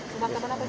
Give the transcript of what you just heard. semangka mabeng pak